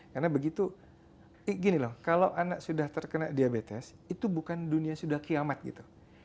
karena begitu gini loh kalau anak sudah terkena diabetes itu bukan dunia sudah kiamat gitu